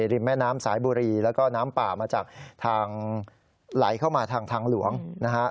ริมแม่น้ำสายบุรีแล้วก็น้ำป่ามาจากทางไหลเข้ามาทางทางหลวงนะฮะ